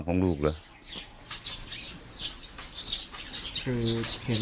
แต่ตอนนี้เขาไม่รู้ว่าจะเป็นคนใหญ่นะครับ